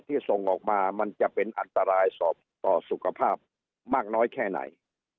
ส่งออกมามันจะเป็นอันตรายต่อสุขภาพมากน้อยแค่ไหน